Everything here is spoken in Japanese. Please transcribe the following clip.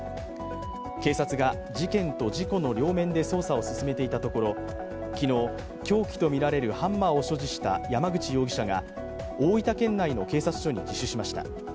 警察が事件と事故の両面で捜査を進めていたところ昨日、凶器とみられるハンマーを所持した山口容疑者が大分県内の警察署に自首しました。